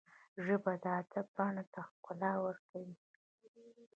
ژبه د ادب بڼ ته ښکلا ورکوي